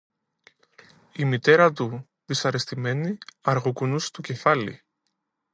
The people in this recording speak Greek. Η μητέρα του, δυσαρεστημένη, αργοκουνούσε το κεφάλι.